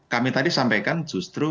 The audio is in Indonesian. kami tadi sampaikan justru ada peraturan